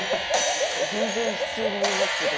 全然普通に見えますけど。